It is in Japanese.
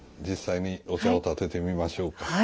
実際にお茶を点ててみましょうか。